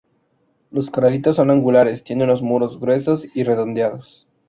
Los coralitos son angulares, tienen los muros gruesos y redondeados.